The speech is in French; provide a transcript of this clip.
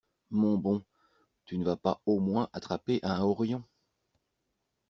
Mon bon, tu ne vas pas au moins attraper un horion!